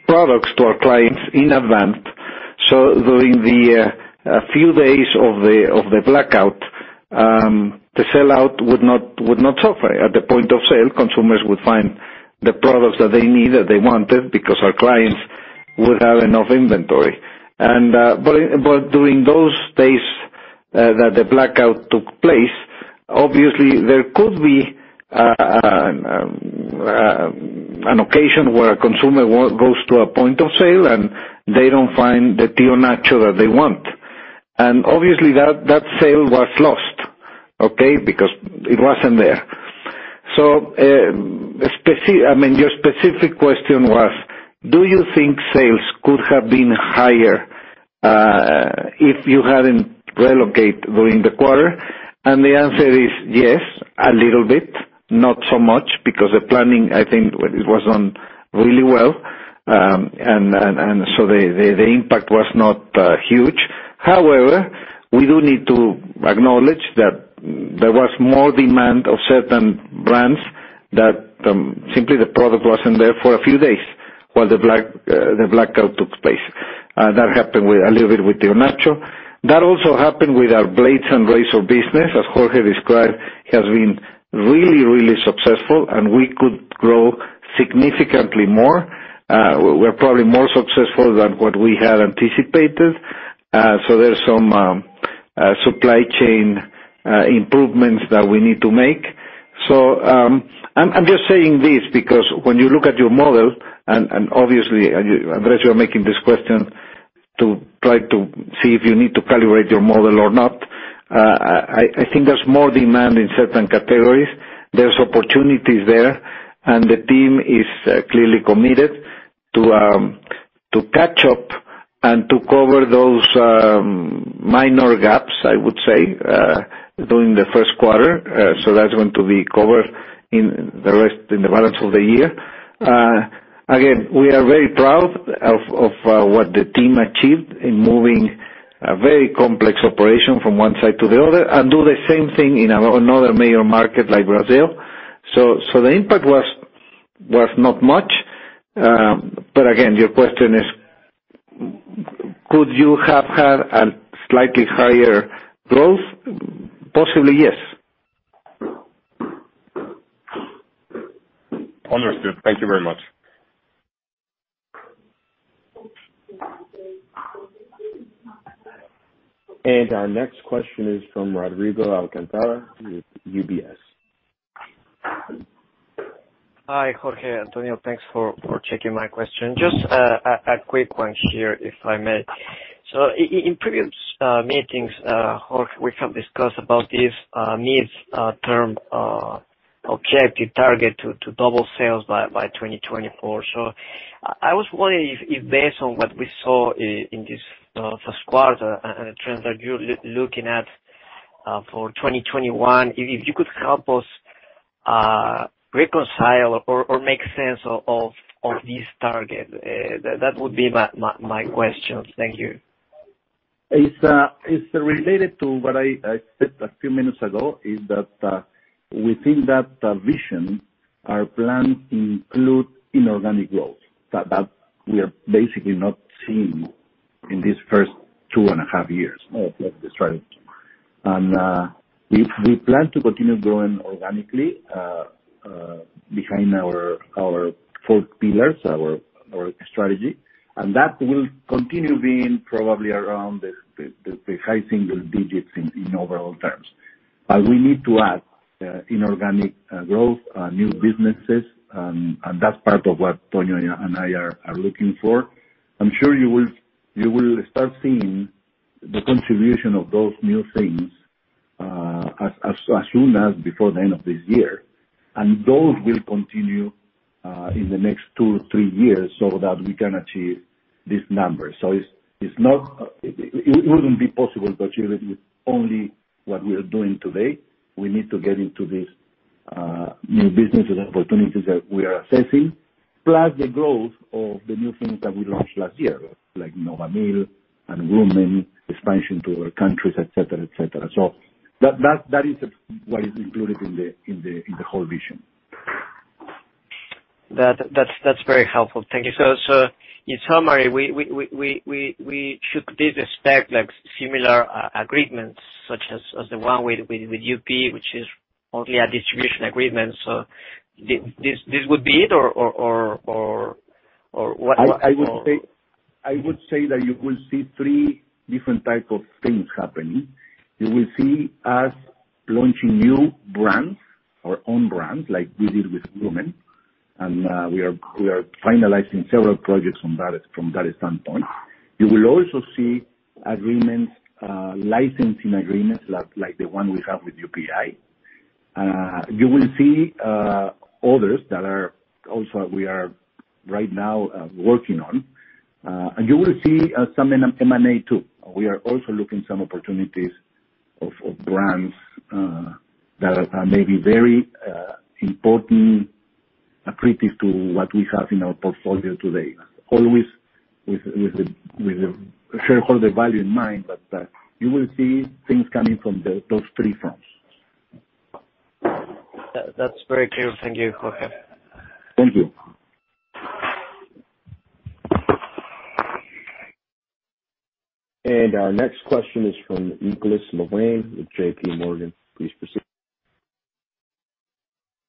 products to our clients in advance. During the few days of the blackout, the sellout would not suffer. At the point of sale, consumers would find the products that they needed, they wanted, because our clients would have enough inventory. During those days that the blackout took place, obviously there could be an occasion where a consumer goes to a point of sale and they don't find the Tío Nacho that they want. Obviously that sale was lost, okay? It wasn't there. Your specific question was, do you think sales could have been higher if you hadn't relocated during the quarter? The answer is yes, a little bit, not so much, because the planning, I think, it was done really well, and so the impact was not huge. However, we do need to acknowledge that there was more demand of certain brands. That simply the product wasn't there for a few days while the blackout took place. That happened a little bit with Tío Nacho. That also happened with our blades and razor business, as Jorge described, has been really, really successful, and we could grow significantly more. We're probably more successful than what we had anticipated. There's some supply chain improvements that we need to make. I'm just saying this because when you look at your model, and obviously, Andrés, you're making this question to try to see if you need to calibrate your model or not. I think there's more demand in certain categories. There's opportunities there, and the team is clearly committed to catch up and to cover those minor gaps, I would say, during the Q1. That's going to be covered in the balance of the year. Again, we are very proud of what the team achieved in moving a very complex operation from one side to the other and do the same thing in another major market like Brazil. The impact was not much. Again, your question is, could you have had a slightly higher growth? Possibly, yes. Understood. Thank you very much. Our next question is from Rodrigo Alcantara with UBS. Hi, Jorge, Antonio. Thanks for taking my question. Just a quick one here, if I may. In previous meetings, Jorge, we have discussed about this mid-term objective target to double sales by 2024. I was wondering if, based on what we saw in this Q1 and the trends that you're looking at for 2021, if you could help us reconcile or make sense of this target. That would be my question. Thank you. It's related to what I said a few minutes ago, is that within that vision, our plans include inorganic growth that we have basically not seen in these first two and a half years of the strategy. We plan to continue growing organically behind our four pillars, our strategy, and that will continue being probably around the high single digits in overall terms. We need to add inorganic growth, new businesses, and that's part of what Antonio and I are looking for. I'm sure you will start seeing the contribution of those new things as soon as before the end of this year. Those will continue in the next two, three years so that we can achieve this number. It wouldn't be possible to achieve it with only what we are doing today. We need to get into these new businesses opportunities that we are assessing, plus the growth of the new things that we launched last year, like Novamil and Groomen, expansion to other countries, et cetera. That is why it's included in the whole vision. That's very helpful. Thank you. In summary, we should still expect similar agreements such as the one with UP, which is only a distribution agreement. This would be it or what? I would say that you will see three different type of things happening. You will see us launching new brands, our own brands, like we did with Groomen, we are finalizing several projects from that standpoint. You will also see licensing agreements like the one we have with UPI. You will see others that also we are right now working on. You will see some M&A, too. We are also looking some opportunities of brands that are maybe very important accretive to what we have in our portfolio today, always with shareholder value in mind, you will see things coming from those three fronts. That's very clear. Thank you, Jorge. Thank you. Our next question is from Nicolas Larrain with JPMorgan. Please proceed.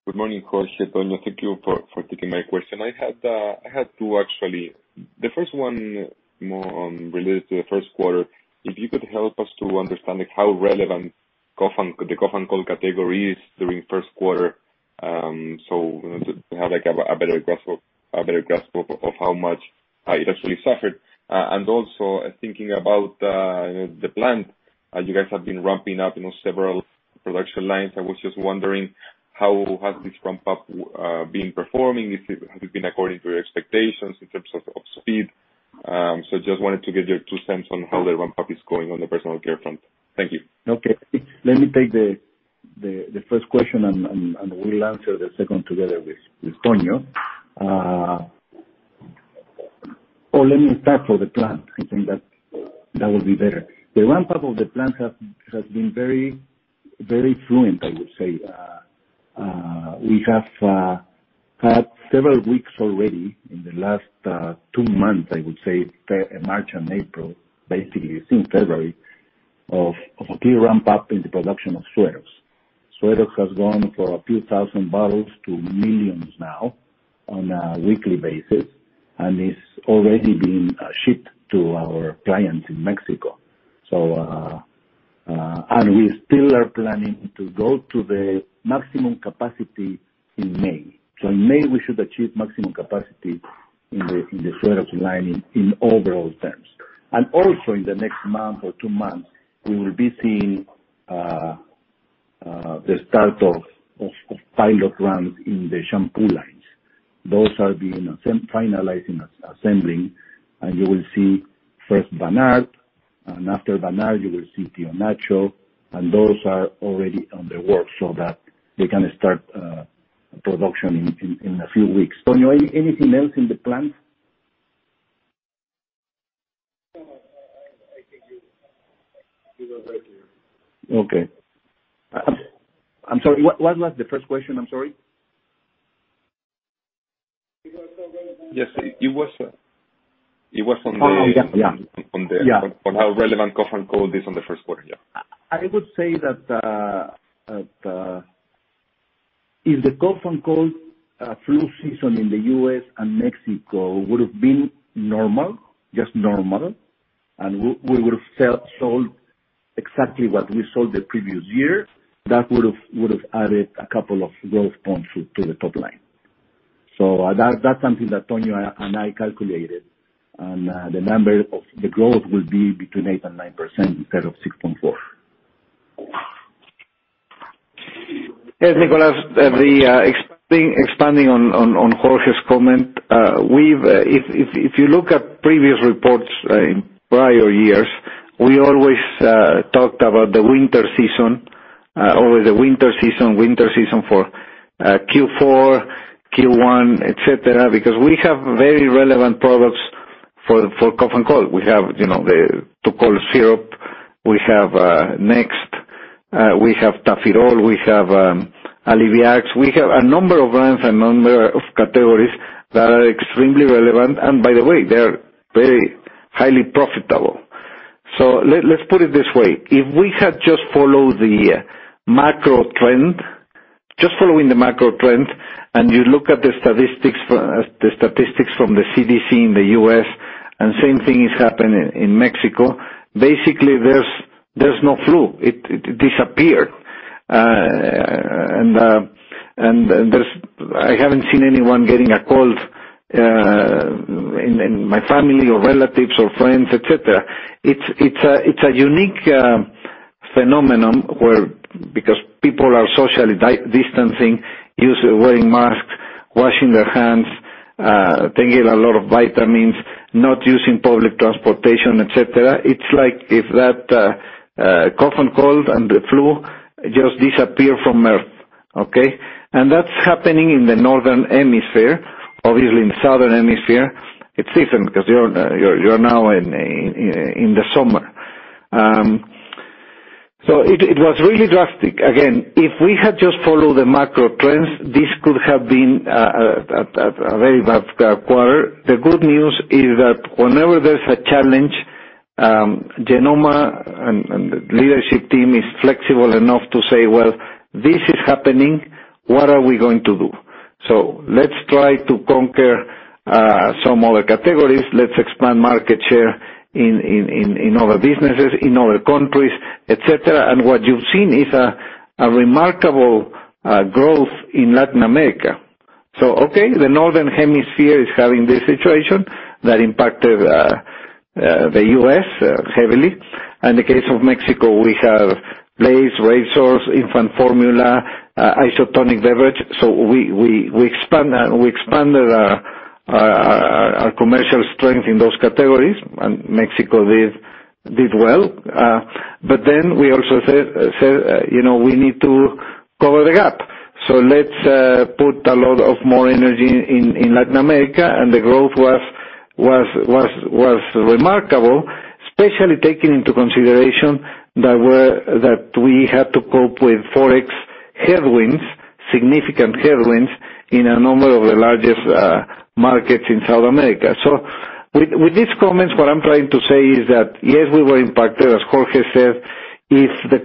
Good morning, Jorge, Antonio. Thank you for taking my question. I had two, actually. The first one more related to the Q1, if you could help us to understand how relevant the cough and cold category is during Q1, so to have a better grasp of how much it actually suffered. Also thinking about the plan, you guys have been ramping up several production lines. I was just wondering how has this ramp-up been performing? Has it been according to your expectations in terms of speed? Just wanted to get your two cents on how the ramp-up is going on the personal care front. Thank you. Okay. Let me take the first question. We'll answer the second together with Antonio. Let me start for the plant. I think that would be better. The ramp-up of the plant has been very fluent, I would say. We have had several weeks already in the last two months, I would say, March and April, basically since February, of a good ramp-up in the production of Suerox. Suerox has gone from a few thousand bottles to millions now on a weekly basis, and is already being shipped to our client in Mexico. We still are planning to go to the maximum capacity in May. In May, we should achieve maximum capacity in the Suerox line in overall terms. Also in the next month or two months, we will be seeing the start of pilot runs in the shampoo lines. Those are being finalized assembling, and you will see first Vanart, and after Vanart, you will see Tío Nacho, and those are already in the works so that they can start production in a few weeks. Antonio, anything else in the plant? No, I think you did well right there. I'm sorry, what was the first question? I'm sorry. Yes, it was- Yeah. -on how relevant cough and cold is on the Q1. I would say that if the cough and cold flu season in the U.S. and Mexico would've been normal, just normal, and we would've sold exactly what we sold the previous year, that would've added a couple of growth points to the top line. That's something that Antonio and I calculated, and the number of the growth will be between 8% and 9% instead of 6.4%. Yes, Nicolas, expanding on Jorge's comment, if you look at previous reports in prior years, we always talked about the winter season, always the winter season, winter season for Q4, Q1, et cetera, because we have very relevant products for cough and cold. We have the Tukol syrup, we have Next, we have Tafirol, we have Alliviax. We have a number of brands, a number of categories that are extremely relevant, and by the way, they're very highly profitable. Let's put it this way. If we had just followed the macro trend, just following the macro trend, and you look at the statistics from the CDC in the U.S., and same thing is happening in Mexico, basically, there's no flu. It disappeared. I haven't seen anyone getting a cold in my family or relatives or friends, et cetera. It's a unique phenomenon where because people are socially distancing, wearing masks, washing their hands, taking a lot of vitamins, not using public transportation, et cetera. It's like if that cough and cold and the flu just disappear from Earth. Okay? That's happening in the northern hemisphere. Obviously, in the southern hemisphere, it's different because you're now in the summer. It was really drastic. Again, if we had just followed the macro trends, this could have been a very bad quarter. The good news is that whenever there's a challenge, Genomma and the leadership team is flexible enough to say, "Well, this is happening. What are we going to do? So let's try to conquer some other categories. Let's expand market share in other businesses, in other countries, et cetera." What you've seen is a remarkable growth in Latin America. The northern hemisphere is having this situation that impacted the U.S. heavily. In the case of Mexico, we have blades, razors, infant formula, isotonic beverage. We expanded our commercial strength in those categories, and Mexico did well. We also said, "We need to cover the gap. Let's put a lot of more energy in Latin America." The growth was remarkable, especially taking into consideration that we had to cope with Forex headwinds, significant headwinds, in a number of the largest markets in South America. With these comments, what I'm trying to say is that, yes, we were impacted, as Jorge said. If the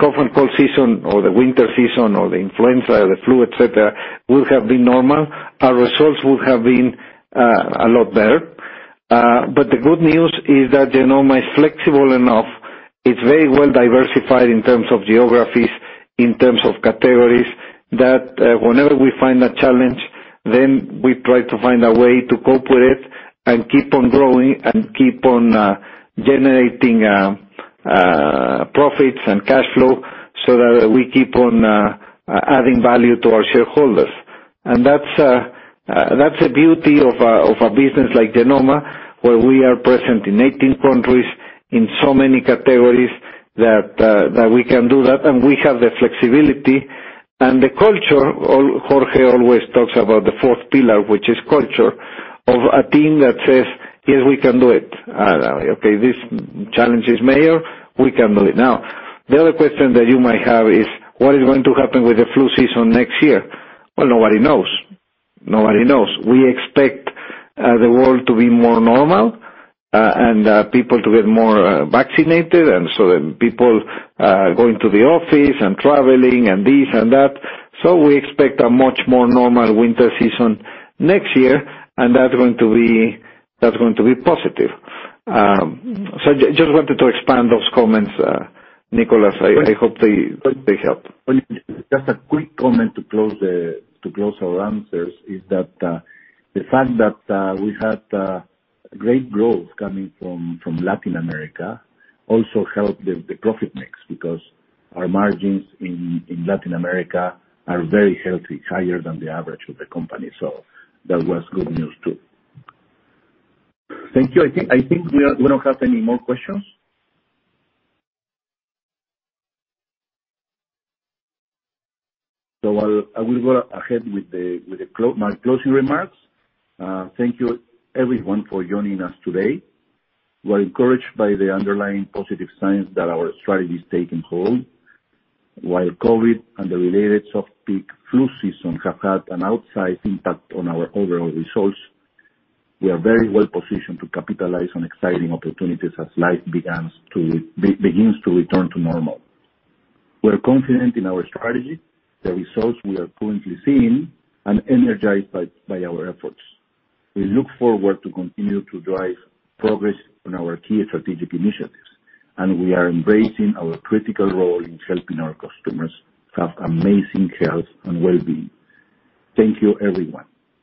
cough and cold season or the winter season or the influenza, the flu, et cetera, would have been normal, our results would have been a lot better. The good news is that Genomma is flexible enough. It's very well diversified in terms of geographies, in terms of categories, that whenever we find a challenge, then we try to find a way to cope with it and keep on growing and keep on generating profits and cash flow so that we keep on adding value to our shareholders. That's the beauty of a business like Genomma, where we are present in 18 countries, in so many categories that we can do that, and we have the flexibility and the culture, Jorge always talks about the fourth pillar, which is culture, of a team that says, "Yes, we can do it. Okay, this challenge is major, we can do it." The other question that you might have is, what is going to happen with the flu season next year? Nobody knows. We expect the world to be more normal, and people to get more vaccinated, and so then people are going to the office and traveling and this and that. We expect a much more normal winter season next year, and that's going to be positive. Just wanted to expand those comments, Nicolas. I hope they help. Just a quick comment to close our answers is that the fact that we had great growth coming from Latin America also helped the profit mix because our margins in Latin America are very healthy, higher than the average of the company. That was good news, too. Thank you. I think we don't have any more questions. I will go ahead with my closing remarks. Thank you everyone for joining us today. We're encouraged by the underlying positive signs that our strategy is taking hold. While COVID and the related soft peak flu season have had an outsized impact on our overall results, we are very well positioned to capitalize on exciting opportunities as life begins to return to normal. We are confident in our strategy, the results we are currently seeing, and energized by our efforts. We look forward to continue to drive progress on our key strategic initiatives, and we are embracing our critical role in helping our customers have amazing health and wellbeing. Thank you, everyone.